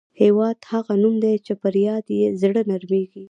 هېواد هغه نوم دی چې پر یاد یې زړه نرميږي.